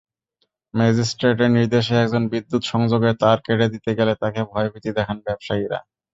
ম্যাজিস্ট্রেটের নির্দেশে একজন বিদ্যুৎ-সংযোগের তার কেটে দিতে গেলে তাঁকে ভয়ভীতি দেখান ব্যবসায়ীরা।